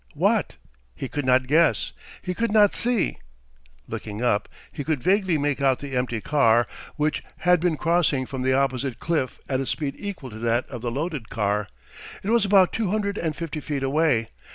What? He could not guess; he could not see. Looking up, he could vaguely make out the empty car, which had been crossing from the opposite cliff at a speed equal to that of the loaded car. It was about two hundred and fifty feet away.